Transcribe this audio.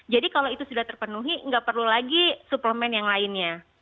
jadi kalau itu sudah terpenuhi nggak perlu lagi suplemen yang lainnya